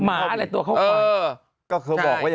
หมาอะไรตัวเข้าควาย